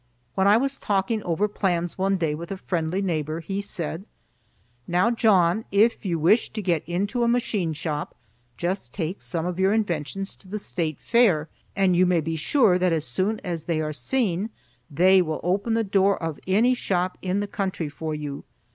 When I was talking over plans one day with a friendly neighbor, he said: "Now, John, if you wish to get into a machine shop, just take some of your inventions to the State Fair, and you may be sure that as soon as they are seen they will open the door of any shop in the country for you.